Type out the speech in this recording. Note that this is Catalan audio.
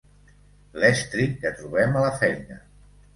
L'estri que trobem a la feina.